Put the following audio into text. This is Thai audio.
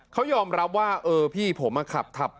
เขายอมรับว่าเออพี่ผมขับ